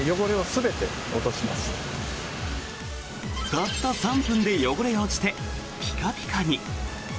たった３分で汚れが落ちてピカピカに。